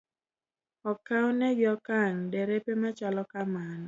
Okawnegi okang' derepe ma chalo kamano.